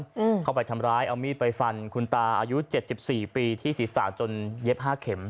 อืมเข้าไปทำร้ายเอามีดไปฟันคุณตาอายุเจ็ดสิบสี่ปีที่ศีรษะจนเย็บห้าเข็ม